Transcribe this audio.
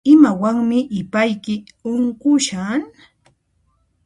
Imawanmi ipayki unqushan?